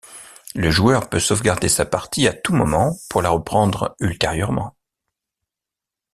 Le joueur peut sauvegarder sa partie à tout moment pour la reprendre ultérieurement.